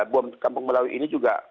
bom kampung melawi ini juga